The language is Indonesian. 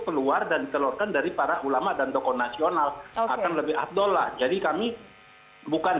keluar dan ditelurkan dari para ulama dan tokoh nasional akan lebih abdullah jadi kami bukan